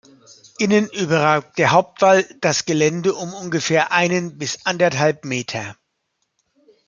Innen überragt der Hauptwall das Gelände um ungefähr einen bis anderthalb Meter.